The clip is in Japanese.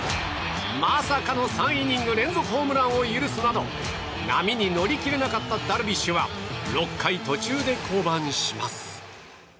まさかの３イニング連続ホームランを許すなど波に乗り切れなかったダルビッシュは６回途中で降板します。